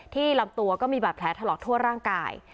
ลำตัวก็มีบาดแผลถลอกทั่วร่างกาย